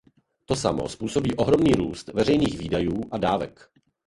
To samo způsobí ohromný růst veřejných výdajů a dávek.